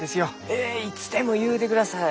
えいつでも言うてください。